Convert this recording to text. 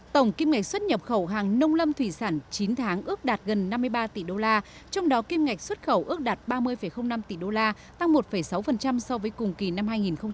tổng kim ngạch xuất nhập khẩu hàng nông lâm thủy sản chín tháng ước đạt gần năm mươi ba tỷ đô la trong đó kim ngạch xuất khẩu ước đạt ba mươi năm tỷ đô la tăng một sáu so với cùng kỳ năm hai nghìn một mươi chín